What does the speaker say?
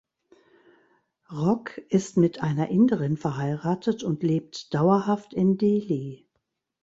Rock ist mit einer Inderin verheiratet und lebt dauerhaft in Delhi.